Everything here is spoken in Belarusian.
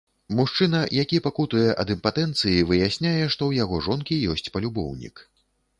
Мужчына, які пакутуе ад імпатэнцыі, выясняе, што ў яго жонкі ёсць палюбоўнік.